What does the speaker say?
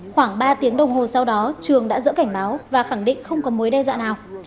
khoảng ba tiếng đồng hồ sau đó trường đã dỡ cảnh báo và khẳng định không có mối đe dọa nào